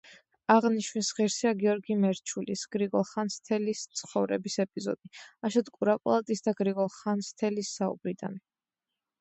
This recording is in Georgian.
აღნიშვნის ღირსია, გიორგი მერჩულის „გრიგოლ ხანძთელის ცხოვრების“ ეპიზოდი, აშოტ კურაპალატის და გრიგოლ ხანძთელის საუბრიდან.